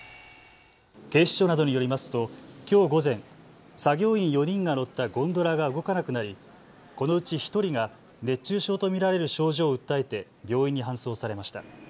警視庁などによりますときょう午前、作業員４人が乗ったゴンドラが動かなくなりこのうち１人が熱中症と見られる症状を訴えて病院に搬送されました。